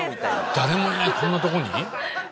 誰もいないこんなとこに？